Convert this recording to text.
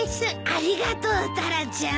ありがとうタラちゃん。